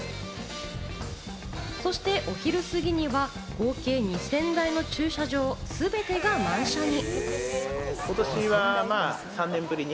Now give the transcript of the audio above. そしてお昼過ぎには、合計２０００台の駐車場すべてが満車に。